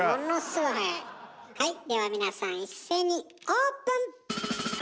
はいでは皆さん一斉にオープン！